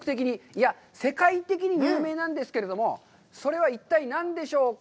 いや、世界的に有名なんですけれども、それは一体何でしょうか。